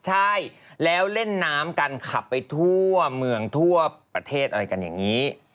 ใช่แล้วเล่นน้ำกันขับไปทั่วเมืองทั่วประเทศอะไรกันอย่างนี้